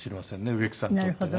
植木さんにとってね。